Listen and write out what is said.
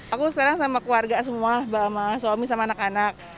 aku sekarang sama keluarga semua bapak sama suami sama anak anak